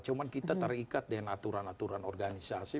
cuma kita terikat dengan aturan aturan organisasi